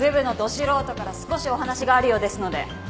素人から少しお話があるようですので。